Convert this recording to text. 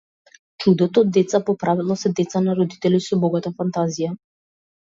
Чудото од деца, по правило, се деца на родители со богата фантазија.